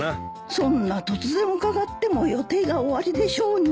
そんな突然伺っても予定がおありでしょうに。